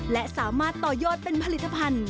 และสามารถต่อยอดเป็นผลิตภัณฑ์